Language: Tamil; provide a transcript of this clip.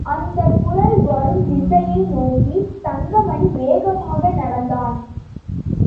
அந்தக் குரல் வரும் திசையை நோக்கித் தங்கமணி வேகமாக நடந்தான்.